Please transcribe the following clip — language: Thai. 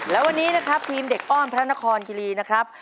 และวันนี้นะครับทีมเด็กอ้อนพระนครคิรีนะครับ